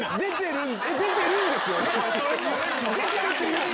出てるんですよね？